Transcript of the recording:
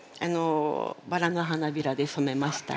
バラの花びらで染めました。